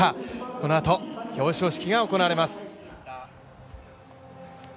このあと表彰式が行われます。